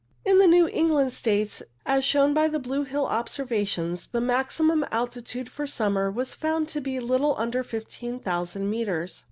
In the New England states, as shown by the Blue Hill observations, the maximum altitude for summer was found to be little under 15,000 metres.